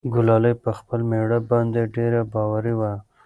ګلالۍ په خپل مېړه باندې ډېر باوري وه.